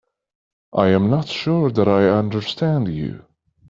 I am not sure that I understand you.